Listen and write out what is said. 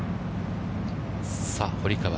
さあ堀川。